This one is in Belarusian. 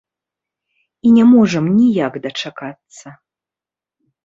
І не можам ніяк дачакацца.